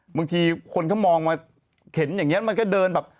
เห็นอย่างเงี้ยมันก็เดินแบบ